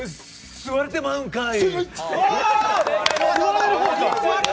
吸われてまうんかい。